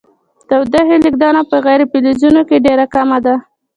د تودوخې لیږدونه په غیر فلزونو کې ډیره کمه ده.